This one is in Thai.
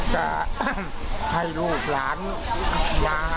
จะให้ลูกหลานลาจำบ้าง